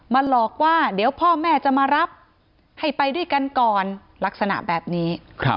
หลอกว่าเดี๋ยวพ่อแม่จะมารับให้ไปด้วยกันก่อนลักษณะแบบนี้